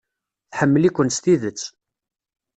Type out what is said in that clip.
Tḥemmel-iken s tidet.